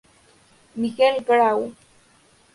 Miguel Grau.